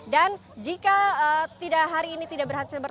jika hari ini tidak berhasil